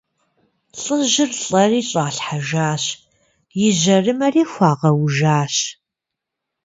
Лӏыжьыр лӏэри щӏалъхьэжащ и жьэрымэри хуагъэужащ.